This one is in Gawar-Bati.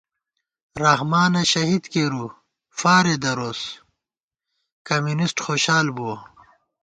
رحمانہ شہید کېرُو فارےدروس کمیونسٹ خوشال بُوَہ